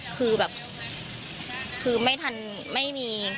คือแบบคือไม่ทันไม่มี